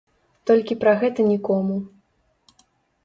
Толькі пра гэта нікому.